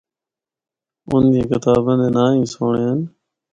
اندیاں کتاباں دے ناں ہی سہنڑے ہن۔